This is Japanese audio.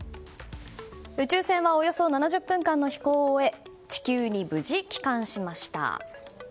宇宙船はおよそ７０分間の飛行を終え地球に無事帰還しました。